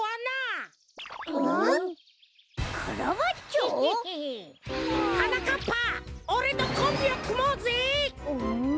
カラバッチョ？はなかっぱおれとコンビをくもうぜ。